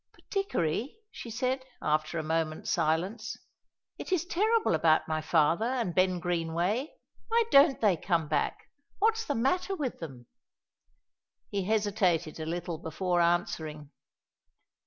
"But, Dickory," she said, after a moment's silence, "it is terrible about my father and Ben Greenway. Why don't they come back? What's the matter with them?" He hesitated a little before answering.